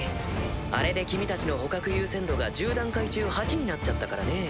あれで君たちの捕獲優先度が１０段階中８になっちゃったからね。